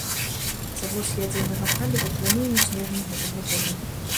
Завоз ядзернага паліва плануем ў снежні гэтага года.